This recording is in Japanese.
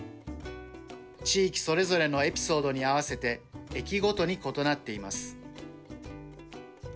地域それぞれのエピソードに合わせて駅ごとに異なっています。